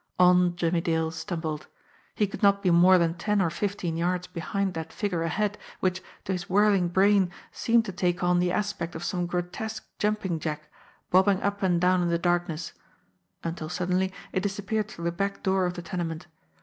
On Jimmie Dale stumbled. He could not be more than ten or fifteen yards behind that figure ahead, which, to his whirling brain, seemed to take on the aspect of some gro tesque jumping jack, bobbing up and down in the darkness, until suddenly it disappeared through the back door of the tenement.